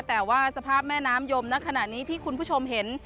แต่ว่าสภาพแม่น้ำยมณขณะนี้ที่คุณผู้ชมเห็น